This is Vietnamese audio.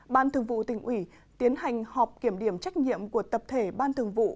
ban thường vụ tỉnh ủy tiến hành họp kiểm điểm trách nhiệm của tập thể ban thường vụ